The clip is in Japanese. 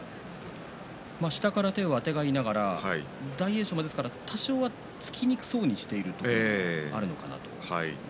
下から手をあてがいながら大栄翔も多少は突きにくそうにしているところがあるのかなと。